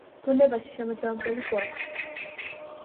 ბუნებაში შემაჯამებელი გვაქვს